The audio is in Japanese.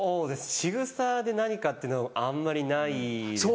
しぐさで何かっていうのあんまりないですけど。